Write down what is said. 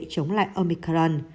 chống lại omicron